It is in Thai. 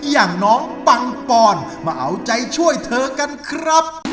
อย่างน้องปังปอนมาเอาใจช่วยเธอกันครับ